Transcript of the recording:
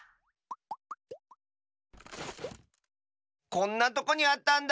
こんなとこにあったんだ。